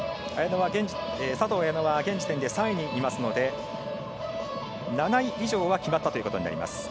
佐藤綾乃は現時点で３位にいますので、７位以上は決まったということになります。